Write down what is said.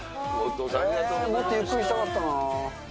もっとゆっくりしたかったな。